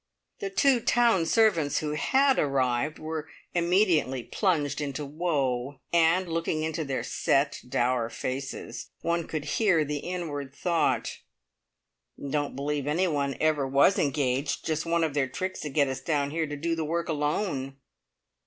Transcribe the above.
The two town servants who had arrived were immediately plunged into woe, and, looking into their set, dour faces, one could hear the inward thought, "Don't believe anyone ever was engaged! Just one of their tricks to get us down here to do the work alone."